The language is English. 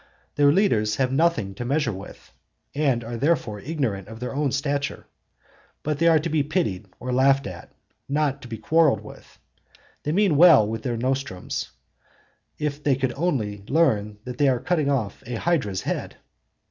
Their leaders have nothing to measure with, and are therefore ignorant of their own stature. But they are to be pitied or laughed at, not to be quarrelled with; they mean well with their nostrums, if they could only learn that they are cutting off a Hydra's head.